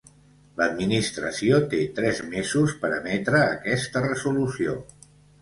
L'Administració té tres mesos per emetre aquesta resolució.